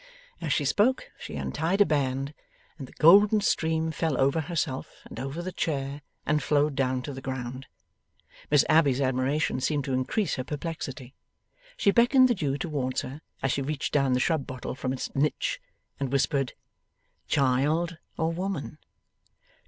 As she spoke, she untied a band, and the golden stream fell over herself and over the chair, and flowed down to the ground. Miss Abbey's admiration seemed to increase her perplexity. She beckoned the Jew towards her, as she reached down the shrub bottle from its niche, and whispered: 'Child, or woman?